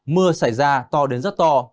mưa xảy ra to đến rất to